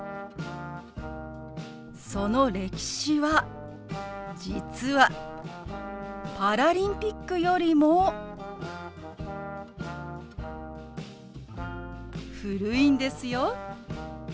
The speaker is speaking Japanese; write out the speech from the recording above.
その歴史は実はパラリンピックよりも古いんですよ。